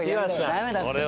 ダメだって。